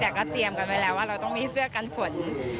แต่ก็เตรียมกันไว้แล้วว่าเราต้องมีเสื้อกันฝน